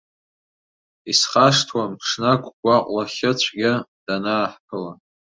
Исхашҭуам, ҽнак, гәаҟ-лахьыцәгьа данааҳԥыла.